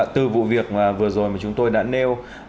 từ vụ việc vừa rồi mà chúng tôi đã nêu